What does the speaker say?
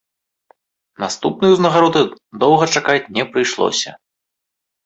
Наступнай узнагароды доўга чакаць не прыйшлося.